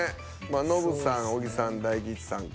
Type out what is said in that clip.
ノブさん小木さん大吉さんか。